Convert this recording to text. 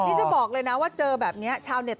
งี่จะบอกเลยนะว่าเจอแบบนี้